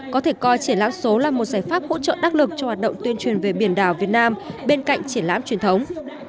có thể coi triển lãm số là một giải pháp hỗ trợ đắc lực cho hoạt động tuyên truyền về biển đảo việt nam bên cạnh triển lãm truyền thống